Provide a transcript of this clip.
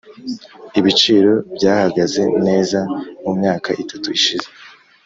ibiciro byahagaze neza mumyaka itatu ishize.